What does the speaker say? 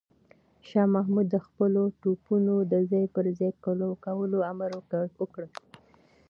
شاه محمود د خپلو توپونو د ځای پر ځای کولو امر وکړ.